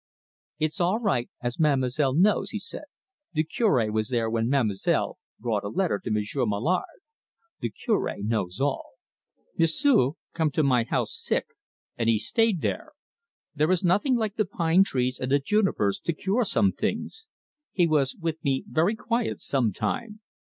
"It's all right, as ma'm'selle knows," he said. "The Cure was there when ma'm'selle brought a letter to M'sieu' Mallard. The Cure knows all. M'sieu' come to my house sick and he stayed there. There is nothing like the pine trees and the junipers to cure some things. He was with me very quiet some time.